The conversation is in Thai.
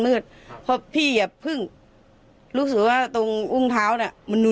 มืดครับเพราะพี่เหยียบพึ่งรู้สึกว่าตรงอุ้งท้าวเนี้ยมัน